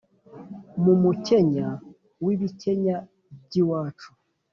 mu mukenya w’ibikenya by’iwacu,